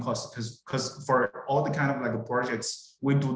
karena untuk semua jenis proyek kita tidak memiliki budget marketing yang besar